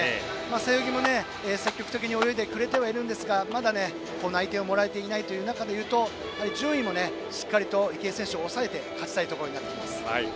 背泳ぎも積極的に泳いでくれてはいますがまだ内定をもらえていない中でいうと順位もしっかりと池江選手を抑えて勝ちたいところです。